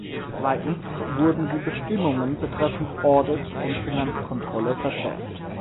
Zweitens wurden die Bestimmungen betreffend Audit und Finanzkontrolle verschärft.